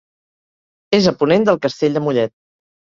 És a ponent del Castell de Mollet.